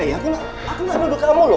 eh aku gak nuduh kamu loh